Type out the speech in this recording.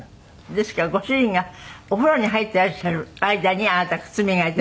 ですからご主人がお風呂に入っていらっしゃる間にあなた靴磨いたりなんかして。